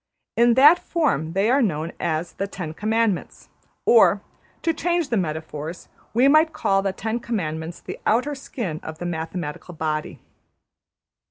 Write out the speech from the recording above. In that form they are known as the Ten Commandments; or, to change the metaphors, we might call the Ten Commandments the outer skin of the mathematical body.